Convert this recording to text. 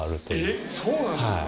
えっそうなんですか？